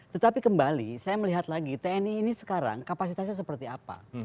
tetapi kembali saya melihat lagi tni ini sekarang kapasitasnya seperti apa